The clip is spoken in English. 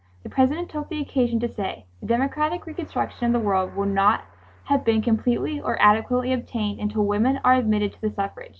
The President took the occasion to say: "The democratic reconstruction of the world will not have been completely or adequately obtained until women are admitted to the suffrage.